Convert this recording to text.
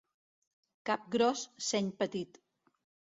Cap gros, seny petit.